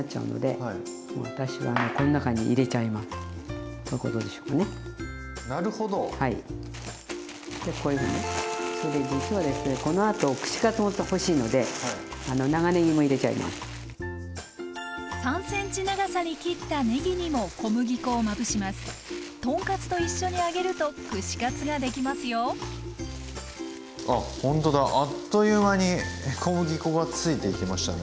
ほんとだあっという間に小麦粉が付いていきましたね。